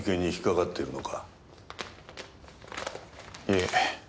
いえ。